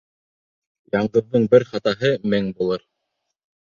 Яңғыҙҙың бер хатаһы мең булыр.